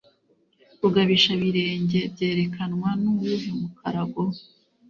rugabishabirenge’ byerekanwa n’uwuhe mukarago’